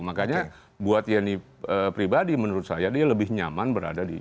makanya buat yeni pribadi menurut saya dia lebih nyaman berada di